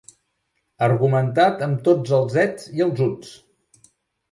Argumentat amb tots els ets i els uts.